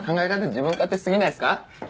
自分勝手すぎないですか？